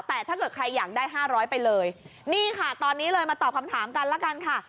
แต่ถ้าเกิดใครอยากได้ห้าร้อยไปเลยนี่ค่ะตอนนี้เลยมาตอบคำถามกันละกันค่ะ